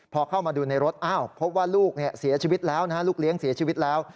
พอเข้ามาดูในรถอ้าวพบว่าลูกเสียชีวิตแล้วนะฮะลูกเลี้ยงเสียชีวิตแล้ว